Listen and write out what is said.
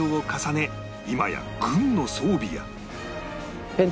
今や軍の装備や